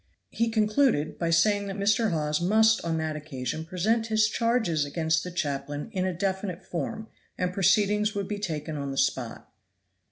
He concluded by saying that Mr. Hawes must on that occasion present his charges against the chaplain in a definite form, and proceedings would be taken on the spot.